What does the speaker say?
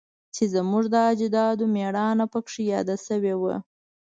چې زموږ د اجدادو میړانه پکې یاده شوی وه